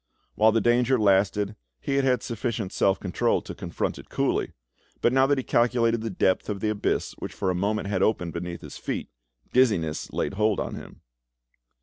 While the danger lasted, he had had sufficient self control to confront it coolly, but now that he calculated the depth of the abyss which for a moment had opened beneath his feet, dizziness laid hold on him.